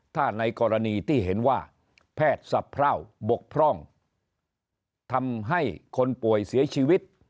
ถ้าในกรณีที่เห็นว่าแพทย์สะพร่าวบกพร่องทำให้คนป่วยเสียชีวิต